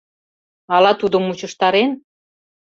— Ала тудо мучыштарен?